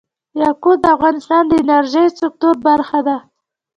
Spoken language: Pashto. یاقوت د افغانستان د انرژۍ سکتور برخه ده.